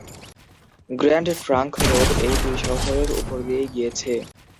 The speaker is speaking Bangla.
গ্র্যান্ড ট্রাঙ্ক রোড এই দুই শহরের উপর দিয়েই গিয়েছে।